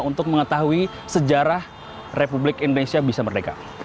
untuk mengetahui sejarah republik indonesia bisa merdeka